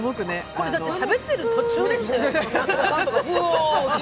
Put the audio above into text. これ、だってしゃべってる途中でしたよ。